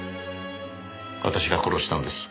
私が殺したんです。